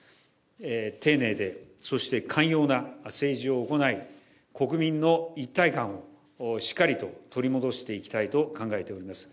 丁寧で、そして寛容な政治を行い、国民の一体感をしっかりと取り戻していきたいと考えております。